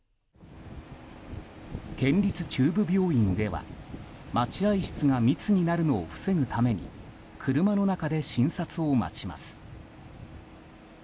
県立中部病院では待合室が密になるのを防ぐために車の中で診察を待ちます。